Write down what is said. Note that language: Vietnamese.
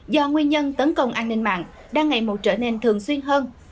do nguyên nhân tấn công an ninh mạng đang ngày một trở nên thường xuyên hơn